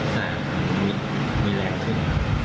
ใช่มีแรงขึ้น